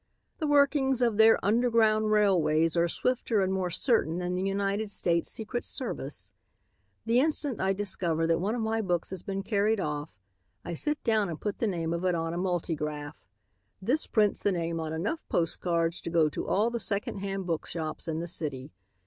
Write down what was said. The workings of their 'underground railways' are swifter and more certain than the United States Secret Service. The instant I discover that one of my books has been carried off, I sit down and put the name of it on a multigraph. This prints the name on enough post cards to go to all the secondhand bookshops in the city.